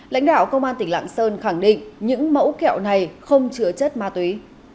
lãnh đạo công an tỉnh lạng sơn khẳng định những mẫu kẹo này không chứa chất ma túy